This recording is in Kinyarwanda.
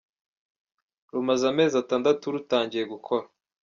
rw, rumaze amezi atandatu rutangiye gukora.